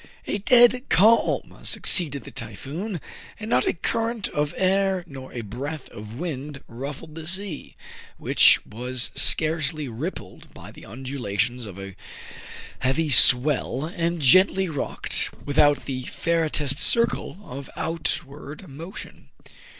A dead calm succeeded the typhoon ; and not a current of air nor a breath of wind ruffled the sea, which was scarcely rippled by the undulations of a heavy swell, and gently rocked, without the faintest circle of outward mo tion.